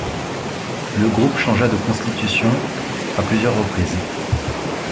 Le groupe changea de constitution à plusieurs reprises.